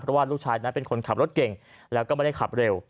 เพราะว่าลูกชายนั้นเป็นคนขับรถเก่งแล้วก็ไม่ได้ขับเร็ว